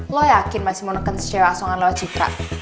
lo yakin masih mau neken si cewek asongan lo citra